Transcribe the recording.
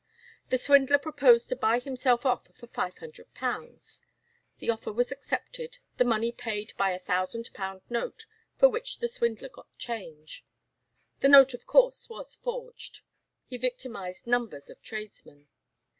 The swindler proposed to buy himself off for £500; the offer was accepted, the money paid by a thousand pound note, for which the swindler got change. The note, of course, was forged. He victimized numbers of tradesmen.